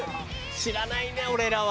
知らないね俺らは。